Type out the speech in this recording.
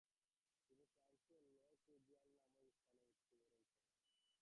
তিনি ফ্রান্সের ল্য ক্রোয়াজিক নামক স্থানে মৃত্যুবরণ করেন।